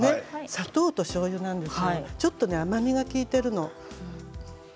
砂糖としょうゆなんですがちょっと甘みが利いているの。